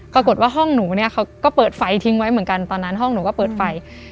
กระทั่งห้องหนูเนี่ยเขาก็เปิดไฟทิ้งไว้เหมือนกันตอนนั้นห้องหนูก็เปิดไฟ